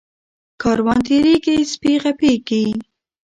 ـ کاروان تېريږي سپي غپيږي.